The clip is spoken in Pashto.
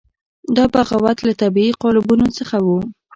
دا بغاوت له طبیعي قالبونو څخه وو.